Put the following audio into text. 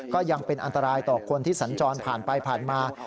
ก็ยังเป็นอันตรายต่อคนที่สัญจรผ่านไปผ่านมา